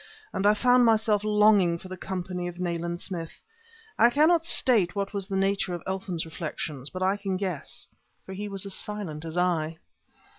And I found myself longing for the company of Nayland Smith. I cannot state what was the nature of Eltham's reflections, but I can guess; for he was as silent as I.